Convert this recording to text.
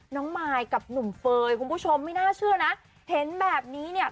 มายกับหนุ่มเฟย์คุณผู้ชมไม่น่าเชื่อนะเห็นแบบนี้เนี่ย